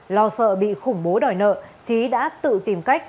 lo sợ bị khủng bố đòi nợ trí đã tự tìm cách